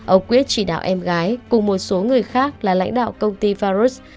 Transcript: ông quyết chỉ đạo em gái cùng một số người khác là lãnh đạo công ty farus